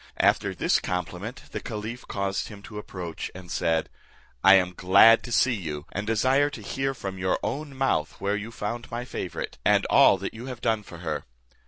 After his compliment, the caliph caused him to approach, and said, "I am glad to see you, and desire to hear from your own mouth where you found my favourite, and all that you have done for her."